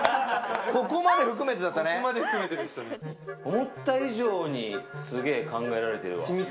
思った以上に、すげえ考えられてるわ。